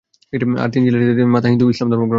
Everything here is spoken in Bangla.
আর তিন ছেলের সাথে তাদের মাতা হিন্দও ইসলাম গ্রহণ করলেন।